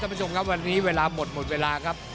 ผู้ชมครับวันนี้เวลาหมดหมดเวลาครับ